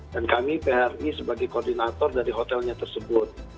dan kami phri sebagai koordinator dari hotelnya tersebut